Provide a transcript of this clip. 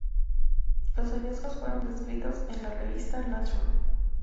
Los hallazgos fueron descritos en la revista "Nature".